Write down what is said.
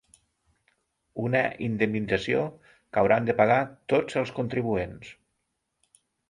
Una indemnització que hauran de pagar tots els contribuents .